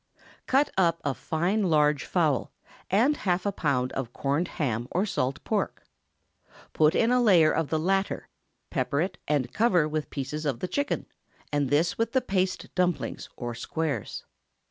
Cut up a fine large fowl, and half a pound of corned ham or salt pork. Put in a layer of the latter, pepper it, and cover with pieces of the chicken, and this with the paste dumplings or squares.